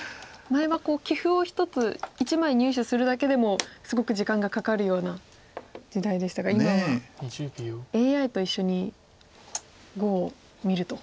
前は棋譜を１枚入手するだけでもすごく時間がかかるような時代でしたが今はＡＩと一緒に碁を見ると。